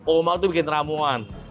omah itu bikin ramuan